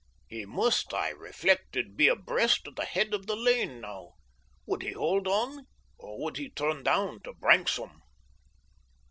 He must, I reflected, be abreast of the head of the lane now. Would he hold on? Or would he turn down to Branksome?